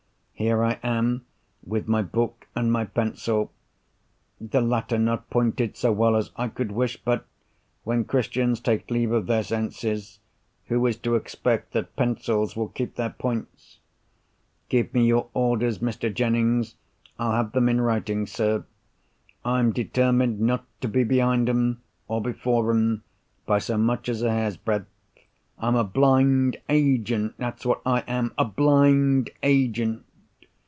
Here I am, with my book and my pencil—the latter not pointed so well as I could wish, but when Christians take leave of their senses, who is to expect that pencils will keep their points? Give me your orders, Mr. Jennings. I'll have them in writing, sir. I'm determined not to be behind 'em, or before 'em, by so much as a hair's breadth. I'm a blind agent—that's what I am. A blind agent!"